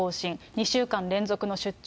２週間連続の出張。